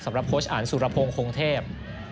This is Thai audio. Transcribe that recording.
สำหรับโคชอ่านสุรพงษ์คงเทพ